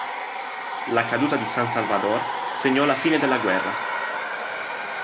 La caduta di San Salvador segnò la fine della guerra.